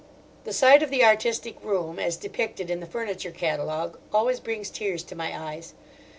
The sight of the artistic room, as depicted in the furniture catalogue, always brings tears to my eyes.